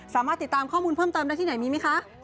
สามารถติดตามข้อมูลเพิ่มเติมได้ที่ไหนมีไหมคะ